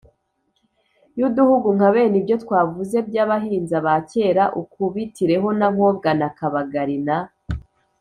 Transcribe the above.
y’uduhugu nka bene ibyo twavuze by’abahinza ba cyera. ukubitireho na nkobwa na kabagari na